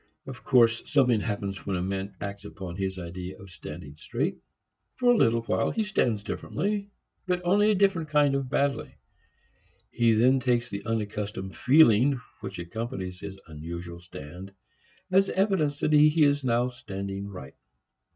Of course something happens when a man acts upon his idea of standing straight. For a little while, he stands differently, but only a different kind of badly. He then takes the unaccustomed feeling which accompanies his unusual stand as evidence that he is now standing right.